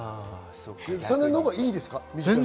３年のほうがいいです。